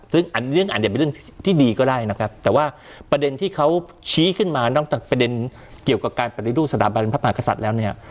ซึ่งอันนี้อาจจะเป็นเรื่องที่ดีก็ได้นะครับแต่ว่าประเด็นที่เขาชี้ขึ้นมานอกจากประเด็นเกี่ยวกับการปฏิรูปสถาบันพระมหากษัตริย์แล้วเนี่ย